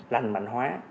lành mạnh hóa